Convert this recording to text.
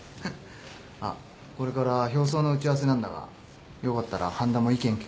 あっこれから表装の打ち合わせなんだがよかったら半田も意見聞かせてくんねえか？